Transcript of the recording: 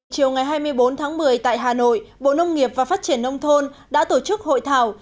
chiều ngày hai mươi bốn tháng một mươi tại hà nội bộ nông nghiệp và phát triển nông thôn đã tổ chức hội thảo